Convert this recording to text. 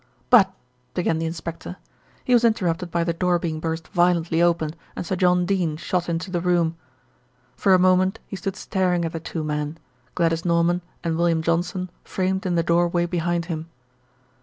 "But " began the inspector. He was interrupted by the door being burst violently open and Sir John Dene shot into the room. For a moment he stood staring at the two men, Gladys Norman and William Johnson framed in the doorway behind him.